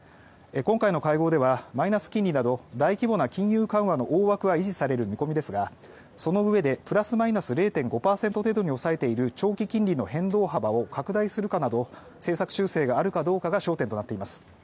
今回の会合ではマイナス金利など大規模な金融緩和の大枠は維持される見込みですがそのうえでプラスマイナス０．５％程度に抑えている長期金利の変動幅を拡大するかなど政策修正があるかどうかが焦点となっています。